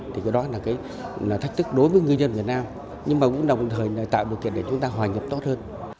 thì cái đó là cái thách thức đối với ngư dân việt nam nhưng mà cũng đồng thời tạo điều kiện để chúng ta hòa nhập tốt hơn